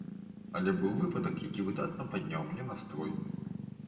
Але быў выпадак, які выдатна падняў мне настрой.